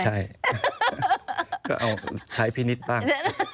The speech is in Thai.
ใช่ก็เอาใช้พี่นิดบ้าง